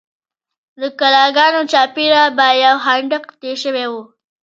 د کلاګانو چارپیره به یو خندق تیر شوی و.